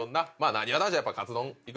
なにわ男子はカツ丼いく？